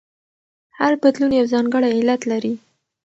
هر بدلون یو ځانګړی علت لري.